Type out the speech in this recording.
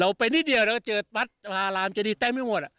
เราไปนิดเดียวแล้วเจอบัตรฐานจะดีแต่ไม่หมด